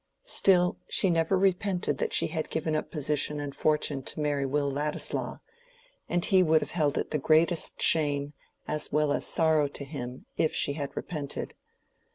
Still, she never repented that she had given up position and fortune to marry Will Ladislaw, and he would have held it the greatest shame as well as sorrow to him if she had repented.